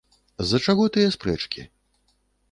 З-за чаго тыя спрэчкі?